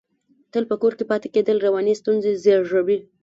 تل په کور کې پاتې کېدل، رواني ستونزې زېږوي.